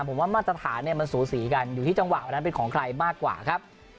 ผมว่ามาตรฐานเนี่ยมันสูสีกันอยู่ที่จังหวะวันนั้นเป็นของใครมากกว่าครับ